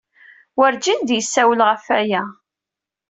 Wurǧin d-yessawel ɣef waya.